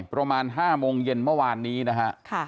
ประมาณ๕โมงเย็นเมื่อวานนี้นะฮะ